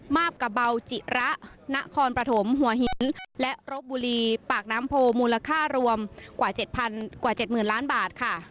มาบกระเบาจิระนะคอนประถมหัวหินและรบบุรีปากน้ำโพมูลค่ารวมกว่า๗๐๐๐บาท